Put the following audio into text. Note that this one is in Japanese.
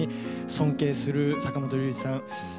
尊敬する坂本龍一さん